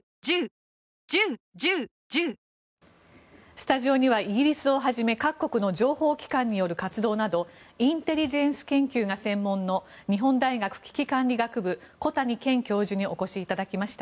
スタジオにはイギリスをはじめ各国の情報機関による活動などインテリジェンス研究が専門の日本大学危機管理学部小谷賢教授にお越しいただきました。